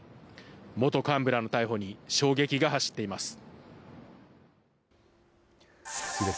元幹部らの逮捕に衝撃が走っています。